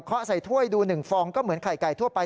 เขาใส่ถ้วยดู๑ฟองก็เหมือนไข่ไก่ทั่วไป